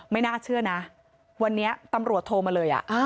ไม่น่าเชื่อนะวันนี้ตำรวจโทรมาเลย